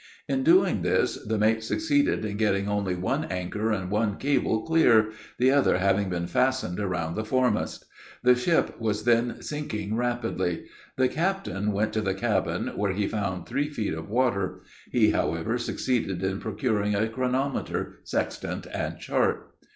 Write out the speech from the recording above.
In doing this, the mate succeeded in getting only one anchor and one cable clear, the other having been fastened around the foremast. The ship was then sinking rapidly. The captain went to the cabin, where he found three feet of water; he, however, succeeded in procuring a chronometer, sextant, and chart.